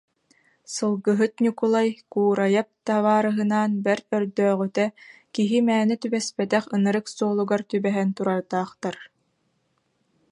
Сылгыһыт Ньукулай Куурайап табаарыһынаан бэрт өрдөөҕүтэ киһи мээнэ түбэспэтэх ынырык суолугар түбэһэн турардаахтар